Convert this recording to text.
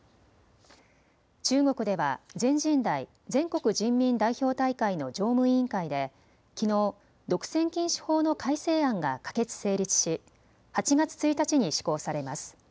中国では全人代・全国人民代表大会の常務委員会できのう独占禁止法の改正案が可決・成立し８月１日に施行されます。